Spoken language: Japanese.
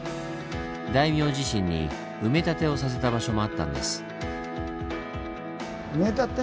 大名自身に埋め立てをさせた場所もあったんです。